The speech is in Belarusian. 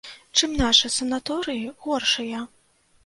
Чым нашы санаторыі горшыя?